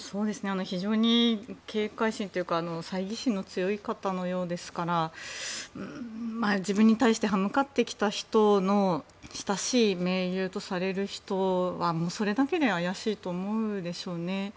非常に警戒心というかさいぎ心の強い方のようですから自分に対して刃向かってきた人の親しい盟友とされる人はそれだけで怪しいと思うでしょうね。